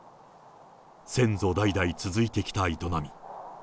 先祖代々続いてきた営み。